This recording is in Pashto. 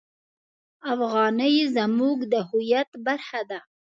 افغانۍ زموږ د هویت برخه ده.